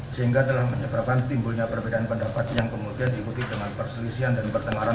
sehingga telah menyebabkan timbulnya perbedaan pendapat yang kemudian diikuti dengan perselisihan dan pertemaran